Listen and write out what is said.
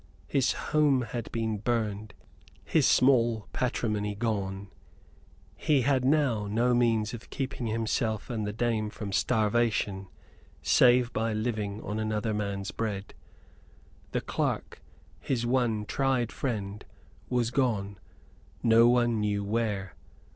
His home had been burned, his small patrimony gone: he had now no means of keeping himself and the dame from starvation save by living on another man's bread. The clerk, his one tried friend, was gone no one knew where.